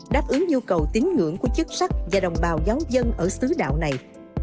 đáp ứng nhu cầu tín ngưỡng của chức sắc và đồng bào giáo dân ở xứ đạo này